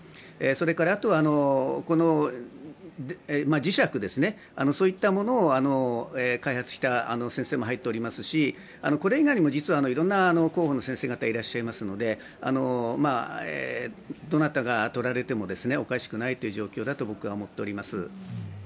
それから磁石といったものを開発された先生も入っていますしこれ以外にも実はいろいろな候補の先生方いらっしゃいますので、どなたが取られてもおかしくない状況だと僕は思っております。